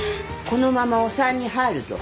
このままお産に入るぞ。